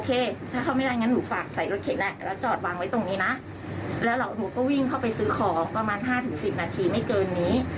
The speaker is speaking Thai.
ถ้าเขาไม่ได้งั้นหนูฝากใส่รถเข็นแหละแล้วจอดวางไว้ตรงนี้นะแล้วหนูก็วิ่งเข้าไปซื้อของประมาณ๕๑๐นาทีไม่เกินนี้